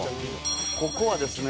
ここはですね